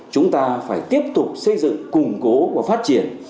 chúng ta phải tiếp tục xây dựng củng cố và phát triển